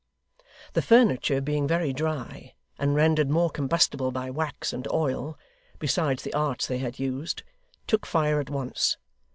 The furniture being very dry, and rendered more combustible by wax and oil, besides the arts they had used, took fire at once.